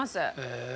へえ。